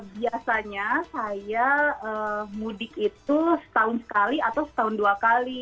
biasanya saya mudik itu setahun sekali atau setahun dua kali